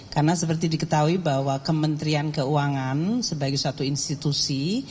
karena seperti diketahui bahwa kementerian keuangan sebagai satu institusi